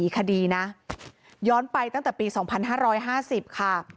คดีนะย้อนไปตั้งแต่ปี๒๕๕๐ค่ะ